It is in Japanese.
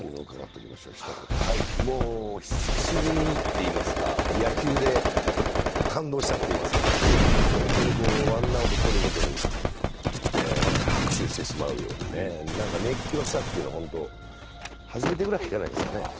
久しぶりにといいますか、野球で感動したといいますかね、本当にワンアウトとるごとに拍手してしまうような熱狂したっていうの、ほんと初めてぐらいじゃないですかね。